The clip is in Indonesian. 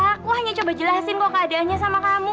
aku hanya coba jelasin kok keadaannya sama kamu